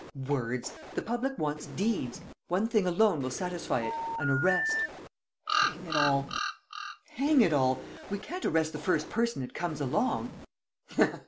..." "Words! The public wants deeds! One thing alone will satisfy it: an arrest." "Hang it all! Hang it all! We can't arrest the first person that comes along!"